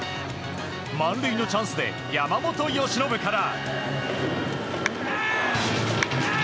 満塁のチャンスで山本由伸から。